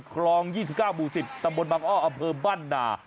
คลอง๒๙บูศิษย์ตำบลบังอ้ออเผิมบ้านหน่า